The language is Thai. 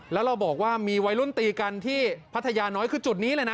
แล้วเราบอกว่ามีวัยรุ่นตีกันที่พัทยาน้อยคือจุดนี้เลยนะ